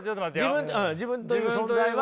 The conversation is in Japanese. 自分自分という存在は？